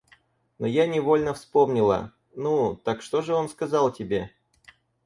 Но я невольно вспомнила... Ну, так что же он сказал тебе?